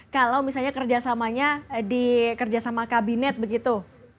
kalau misalnya kerjasamanya di kerjasama kabinet begitu